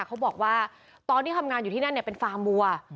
เขาบอกว่าตอนที่ทำงานอยู่ที่นั่นเป็นฟาร์มวัว